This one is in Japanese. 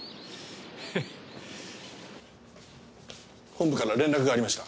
本部から連絡がありました。